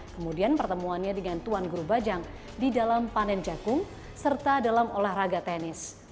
kemudian pertemuannya dengan tuan guru bajang di dalam panen jagung serta dalam olahraga tenis